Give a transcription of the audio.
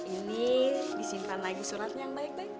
ini disimpan lagi surat yang baik nek